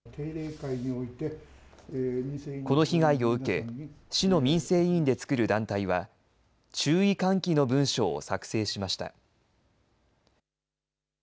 この被害を受け、市の民生委員で作る団体は、注意喚起の文書を作成しました。